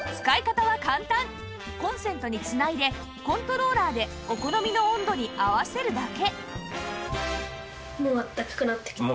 コンセントに繋いでコントローラーでお好みの温度に合わせるだけ！